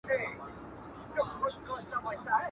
خدایه ما خپل وطن ته بوزې.